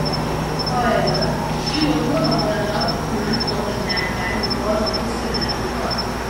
However, he was no longer allowed to run for the Landtag because of his criminal record.